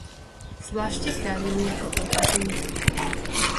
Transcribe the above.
Zvláště chráněný jako ohrožený druh.